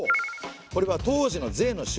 これは当時の税の種類。